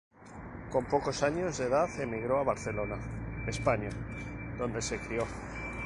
Con pocos años de edad emigró a Barcelona, España, donde se crio.